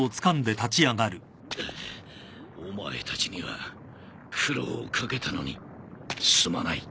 お前たちには苦労を掛けたのにすまない。